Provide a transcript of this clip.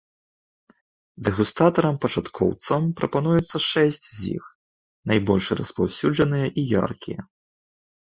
Дэгустатарам-пачаткоўцам прапануюцца шэсць з іх, найбольш распаўсюджаныя і яркія.